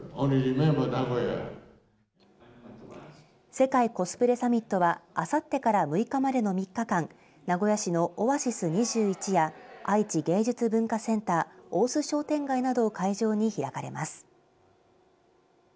世界コスプレサミットはあさってから６日までの３日間名古屋市のオアシス２１や愛知芸術文化センター大須商店街などを会場に開かれます。